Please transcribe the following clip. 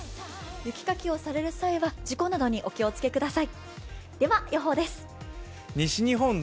雪かきをされる際は事故などにお気を付けください。